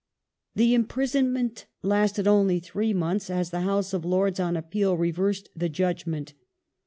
The imprisonment lasted only three months, as the House of Lords, on appeal, reversed the judgment.